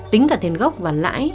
tính cả tiền gốc và lãi